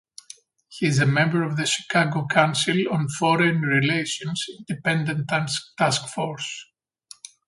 He is a member of the Chicago Council on Foreign Relations Independent Task Force.